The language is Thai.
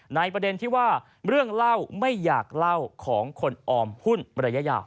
ประเด็นที่ว่าเรื่องเล่าไม่อยากเล่าของคนออมหุ้นระยะยาว